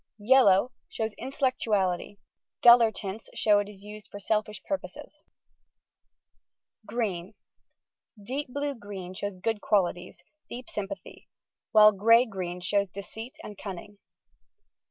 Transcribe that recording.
Yellow: shows intellectuality; duller tints show it is D6 COLOUR AND ITS INTERPRETATION 97 used for selfish purposes. Green: deep blue green shows good qualities, deep sympathy, while grey green shows deceit and cunning.